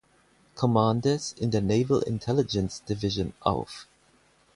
Commanders in der Naval Intelligence Division auf.